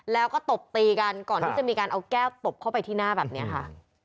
แล้วก็ตบตีกันก่อนที่จะมีการเอาแก้วตบเข้าไปที่หน้าแบบนี้ค่ะ